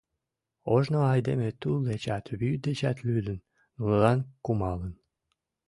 Ожно айдеме тул дечат, вӱд дечат лӱдын, нунылан кумалын.